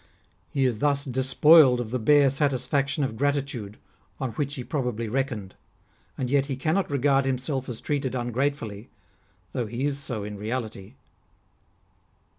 He is thus despoiled of the bare satisfaction of gratitude, on which he probably reckoned ; and yet he cannot regard himself as treated ungratefully, though he is so in reality.